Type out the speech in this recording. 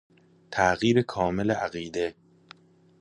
تغییر کامل عقیده